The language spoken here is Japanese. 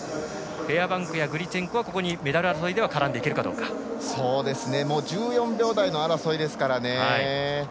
フェアバンクやグリツェンコはメダル争いで１４秒台の争いですからね。